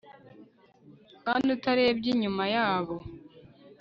Kandi utarebye inyuma yabo